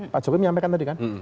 pak jokowi menyampaikan tadi kan